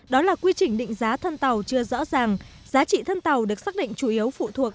đó là quy trình định giá thân tàu chưa rõ ràng giá trị thân tàu được xác định chủ yếu phụ thuộc